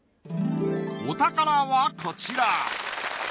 お宝はこちら。